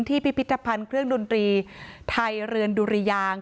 พิพิธภัณฑ์เครื่องดนตรีไทยเรือนดุรยาง